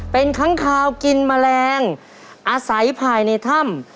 เป็นค้างคาวกินแมลงอาศัยภายในถ้ำ